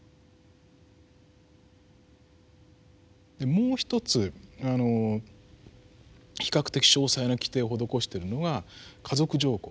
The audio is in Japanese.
もうひとつあの比較的詳細な規定を施してるのが家族条項ですね。